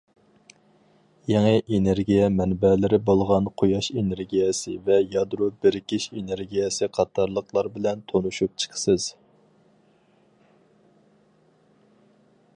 يېڭى ئېنېرگىيە مەنبەلىرى بولغان قۇياش ئېنېرگىيەسى ۋە يادرو بىرىكىش ئېنېرگىيەسى قاتارلىقلار بىلەن تونۇشۇپ چىقىسىز.